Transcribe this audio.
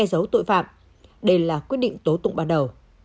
trẻ giấu tội phạm đây là quyết định tố tụng bắt đầu